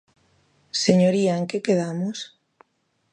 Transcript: Señoría, ¿en que quedamos?